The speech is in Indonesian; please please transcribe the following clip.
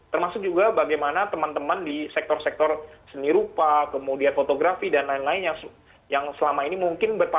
termasuk juga bagaimana teman teman di sektor sektor seni rupa kemudian fotografi dan lain lain yang selama ini mungkin berpar